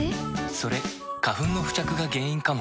それ花粉の付着が原因かも。